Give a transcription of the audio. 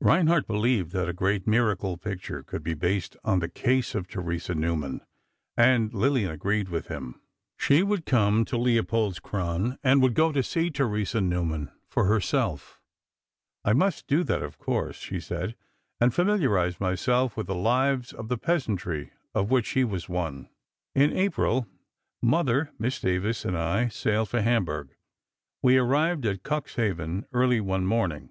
Reinhardt believed that a great miracle picture could be based on the case of Theresa Neumann, and Lillian agreed with him. She would come to Leopoldskron, and would go to see Theresa Neumann for herself. "I must do that, of course," she said, "and familiarize myself with the lives of the peasantry of which she was one." "In April, Mother, Miss Davies and I sailed for Hamburg. We arrived at Cuxhaven early one morning.